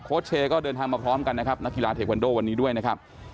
เชย์ก็เดินทางมาพร้อมกันนะครับนักกีฬาเทควันโดวันนี้ด้วยนะครับ